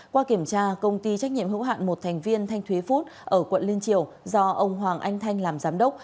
qua kiểm tra công ty trách nhiệm hữu hạn một thành viên thanh thuế food ở quận liên triều do ông hoàng anh thanh làm giám đốc